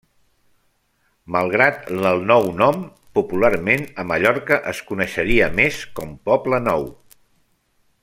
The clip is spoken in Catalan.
Malgrat del nou nom, popularment, a Mallorca es coneixeria més com Poble Nou.